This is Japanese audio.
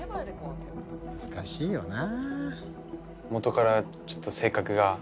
難しいよな。